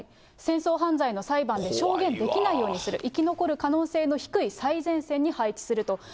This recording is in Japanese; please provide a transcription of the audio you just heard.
戦争犯罪の裁判で証言できないようにする、生き残る可能性の低い最前線に配置すると。